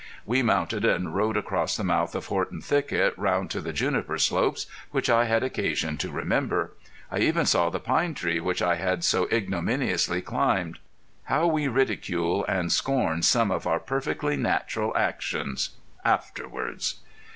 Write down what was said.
We mounted and rode across the mouth of Horton Thicket round to the juniper slopes, which I had occasion to remember. I even saw the pine tree which I had so ignominiously climbed. How we ridicule and scorn some of our perfectly natural actions afterwards!